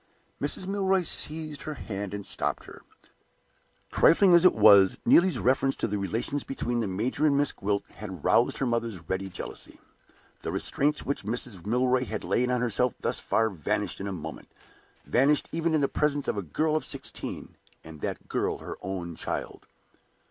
Mrs. Milroy seized her hand and stopped her. Trifling as it was, Neelie's reference to the relations between the major and Miss Gwilt had roused her mother's ready jealousy. The restraints which Mrs. Milroy had laid on herself thus far vanished in a moment vanished even in the presence of a girl of sixteen, and that girl her own child!